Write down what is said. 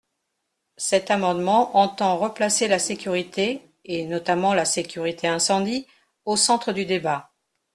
Cet amendement entend replacer la sécurité, et notamment la sécurité incendie, au centre du débat.